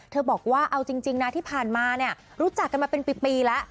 บอกว่าเอาจริงนะที่ผ่านมาเนี่ยรู้จักกันมาเป็นปีแล้ว